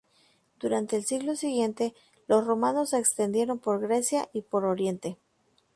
Durante el siglo siguiente, los romanos se extendieron por Grecia y por Oriente.